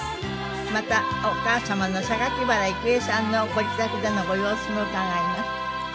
またお母様の榊原郁恵さんのご自宅でのご様子も伺います。